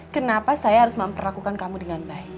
kenapa saya harus memperlakukan kamu dengan baik